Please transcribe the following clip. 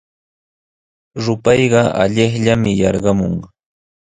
Rupayqa allaqllami yarqamun.